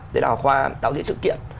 đấy là khoa đạo diễn sự kiện